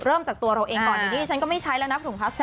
จากตัวเราเองก่อนดีฉันก็ไม่ใช้แล้วนะถุงพลาสติก